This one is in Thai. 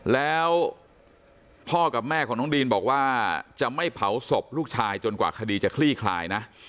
แล้วพ่อกับแม่ของน้องดีนบอกว่าจะไม่เผาศพลูกชายจนกว่าคดีจะคลี่คลายนะ